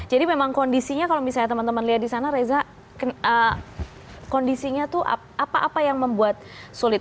jadi memang kondisinya kalau misalnya teman teman lihat di sana reza kondisinya itu apa apa yang membuat sulit